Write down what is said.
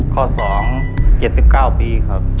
ข้อ๒๗๙ปีครับ